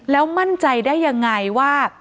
แล้วมั่นใจได้ยังไงว่า